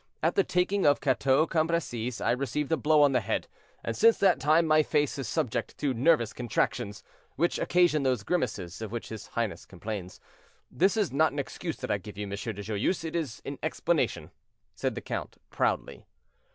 At the taking of Cateau Cambresis I received a blow on the head, and since that time my face is subject to nervous contractions, which occasion those grimaces of which his highness complains. This is not an excuse that I give you, M. de Joyeuse; it is an explanation," said the count, proudly.